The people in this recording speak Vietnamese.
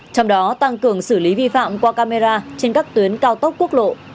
trong đó tăng cường xử lý vi phạm qua camera trên các tuyến cao tốc quốc lộ